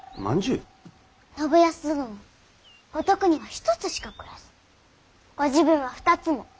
信康殿は五徳には１つしかくれずご自分は２つも。